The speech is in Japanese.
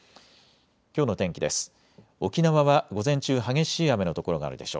きょうの天気です。